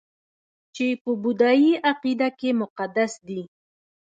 چې په بودايي عقیده کې مقدس دي